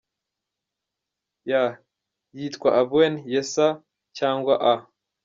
Y: Nitwa Ambwene Yessayah cyangwa A.